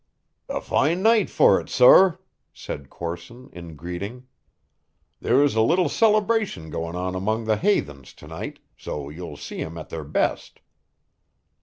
"A fine night for it, sor," said Corson in greeting. "There's a little celebration goin' on among the haythens to night, so you'll see 'em at their best."